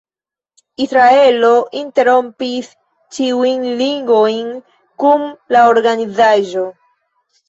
Israelo interrompis ĉiujn ligojn kun la organizaĵo.